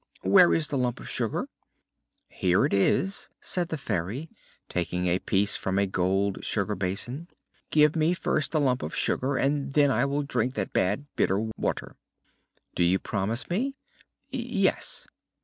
"Where is the lump of sugar?" "Here it is," said the Fairy, taking a piece from a gold sugar basin. "Give me first the lump of sugar and then I will drink that bad bitter water." "Do you promise me?" "Yes."